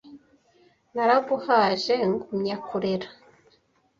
Naraguhaje ngumya kurera